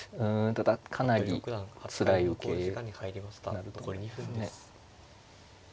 ただかなりつらい受けになると思いますね。